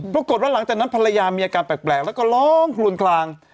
ปรากฏว่าหลังจากนั้นภรรยามีอาการแปลกแล้วก็ร้องคลวนคลาง